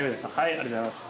ありがとうございます。